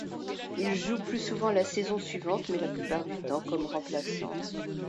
Il joue plus souvent la saison suivante mais la plupart du temps comme remplaçant.